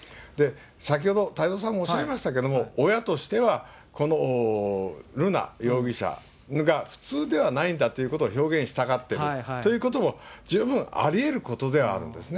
先ほど太蔵さんもおっしゃいましたけど、親としては、瑠奈容疑者が普通ではないんだということを表現したがってるということも、十分ありえることではあるんですね。